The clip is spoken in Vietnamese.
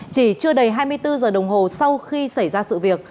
chỉ chưa đầy hai mươi bốn giờ đồng hồ sau khi xảy ra sự việc